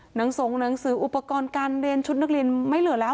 หนังสืออุปกรณ์การเรียนชุดนักเรียนไม่เหลือแล้ว